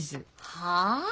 はあ？